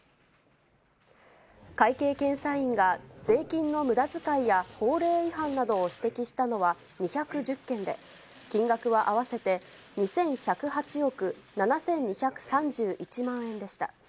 会計検査院が税金のむだづかいや法令違反などを指摘したのは２１０件で、金額は合わせて２１０８億７２３１万円でした。